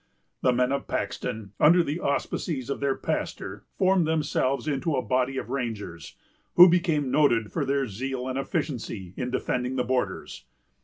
The men of Paxton, under the auspices of their pastor, formed themselves into a body of rangers, who became noted for their zeal and efficiency in defending the borders.